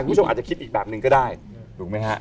คุณผู้ชมอาจจะคิดอีกแบบหนึ่งก็ได้ถูกไหมฮะ